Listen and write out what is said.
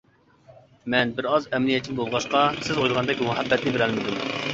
مەن بىر ئاز ئەمەلىيەتچىل بولغاچقا، سىز ئويلىغاندەك مۇھەببەتنى بېرەلمىدىم.